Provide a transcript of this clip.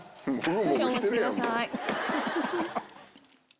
少々お待ちください。